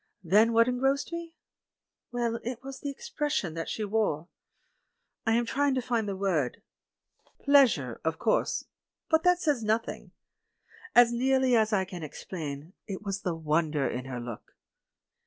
Then what en grossed me? Well, it was the expression that she wore. I am trying to find the word. "Pleas ure," of course — but that says nothing. As near ly as I can explain, it was the wonder in her look.